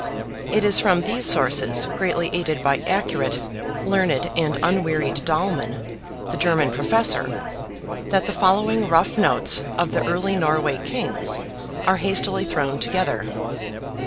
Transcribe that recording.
It is from these sources, greatly aided by accurate, learned and unwearied Dahlmann, the German Professor, that the following rough notes of the early Norway Kings are hastily thrown together.